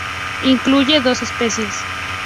Incluye dos especies